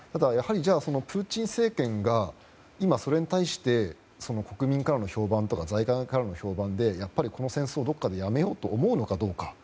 やはりプーチン政権が今、それに対して国民からの評判とか財団からの評判でこの戦争をどこかでやめようと思うのか。